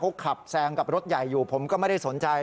เขาขับแซงกับรถใหญ่อยู่ผมก็ไม่ได้สนใจ